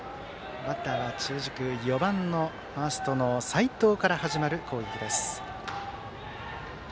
中軸、４番ファーストの齋藤から始まる攻撃です。